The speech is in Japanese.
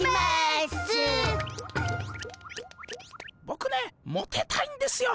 ボクねモテたいんですよ。